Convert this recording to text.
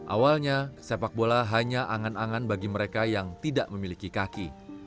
awalnya sepak bola hanya angan angan bagi mereka yang tidak memiliki kaki